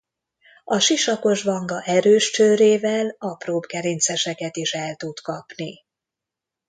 A sisakos vanga erős csőrével apróbb gerinceseket is el tud kapni.